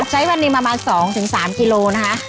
ใช้วันนี้ประมาณสองถึงสามกิโลนะคะ